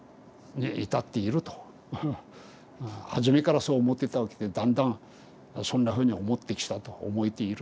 はじめからそう思ってたわけでだんだんそんなふうに思ってきたと思えていると。